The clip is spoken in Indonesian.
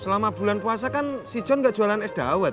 selama bulan puasa kan si john nggak jualan es dawet